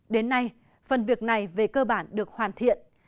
đến nay phần việc này về cơ bản được hoàn thiện